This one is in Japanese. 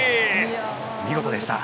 見事でした。